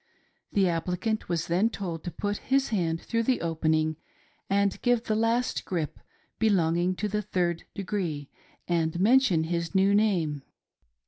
The apphcant was then told to put his hand through the opening, 9.nd give the last grip belonging to the " Third Degree,'' and mention his new name.